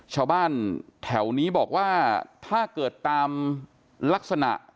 ชาวบ้านแถวนี้บอกว่าถ้าเกิดตามลักษณะ